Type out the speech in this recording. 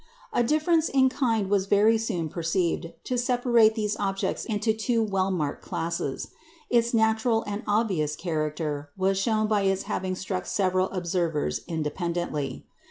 A difference in kind was very soon perceived to separate these objects into two well marked classes. Its natural and obvious character was shown by its having struck several observers independently.